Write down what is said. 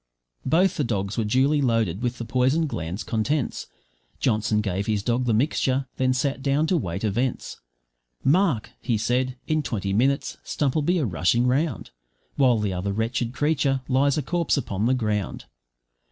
Both the dogs were duly loaded with the poison gland's contents; Johnson gave his dog the mixture, then sat down to wait events. `Mark,' he said, `in twenty minutes Stump'll be a rushing round, While the other wretched creature lies a corpse upon the ground.'